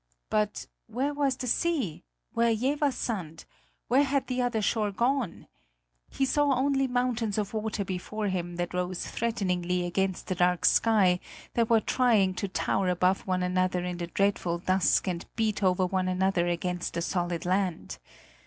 But where was the sea? Where Jeverssand? Where had the other shore gone? He saw only mountains of water before him that rose threateningly against the dark sky, that were trying to tower above one another in the dreadful dusk and beat over one another against the solid land.